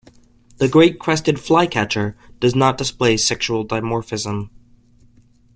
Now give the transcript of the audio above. The great crested flycatcher does not display sexual dimorphism.